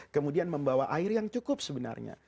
kemudian membawa air yang cukup sebenarnya